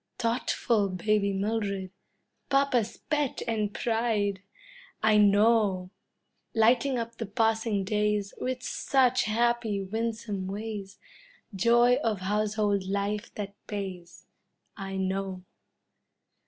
Thoughtful baby Mildred, papa's pet and pride I know! Lighting up the passing days With such happy, winsome ways, Joy of household life that pays I know!